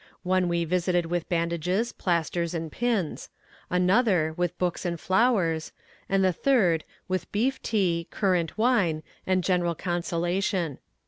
One we visited with bandages, plasters and pins; another, with books and flowers; and the third, with beef tea, currant wine, and general consolation.